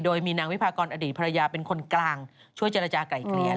โดยมีนางวิพากรอดีตภรรยาเป็นคนกลางช่วยเจรจาก่ายเกลี่ย